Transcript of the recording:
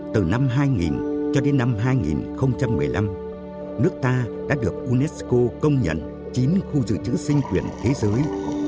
từ năm hai nghìn cho đến năm hai nghìn một mươi năm nước ta đã được unesco công nhận chín khu dự trữ sinh quyền thế giới